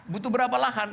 butuh berapa lahan